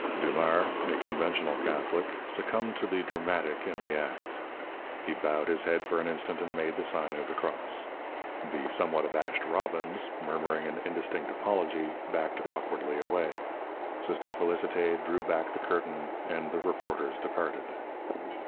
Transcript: Dumars, a conventional Catholic, succumbed to the dramatic in the act. He bowed his head for an instant and made the sign of the cross. The somewhat abashed Robbins, murmuring an indistinct apology, backed awkwardly away. Sister Félicité drew back the curtain, and the reporters departed.